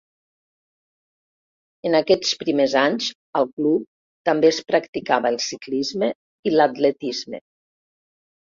En aquests primers anys, al club, també es practicava el ciclisme i l'atletisme.